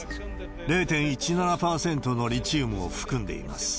０．１７％のリチウムを含んでいます。